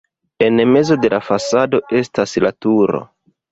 En mezo de la fasado estas la turo.